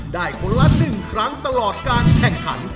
ได้คนละหนึ่งครั้งตลอดการแข่งขัน